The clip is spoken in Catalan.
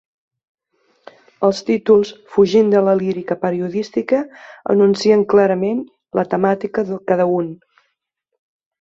Els títols, fugint de la lírica periodística, anuncien clarament la temàtica de cada un.